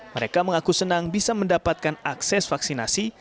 mereka mengaku senang bisa mendapatkan akses vaksinasi